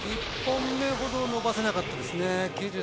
１本目ほど伸ばせなかったですね。